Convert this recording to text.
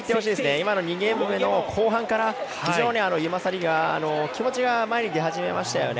今の２ゲーム目の後半から非常にユマサリが気持ちが前に出始めましたよね。